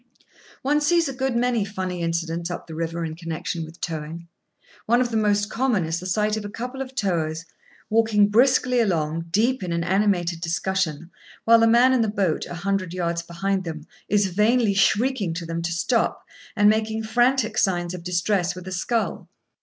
One sees a good many funny incidents up the river in connection with towing. One of the most common is the sight of a couple of towers, walking briskly along, deep in an animated discussion, while the man in the boat, a hundred yards behind them, is vainly shrieking to them to stop, and making frantic signs of distress with a scull.